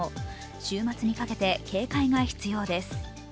週末にかけて警戒が必要です。